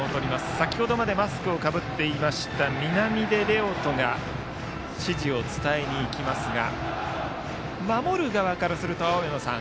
先程までマスクをかぶっていた南出玲丘人が指示を伝えにいきますが守る側からすると、青山さん